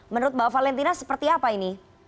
menurut mbak valentina seperti apa ini